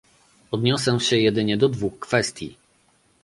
Odniosę się jedynie do dwóch kwestii